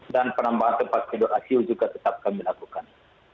dan penambahan tempat tidur aco juga tetap kami lakukan